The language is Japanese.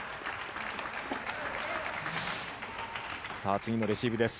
次のレシーブです。